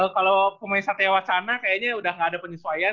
kalau pemain sate wacana kayaknya udah gak ada penyesuaian